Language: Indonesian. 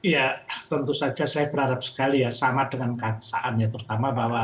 ya tentu saja saya berharap sekali ya sama dengan kata kata saya terutama bahwa